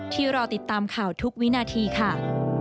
รอติดตามข่าวทุกวินาทีค่ะ